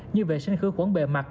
như vệ sinh khứ quấn bề mặt